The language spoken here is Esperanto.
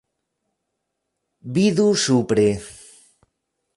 Vidu supre.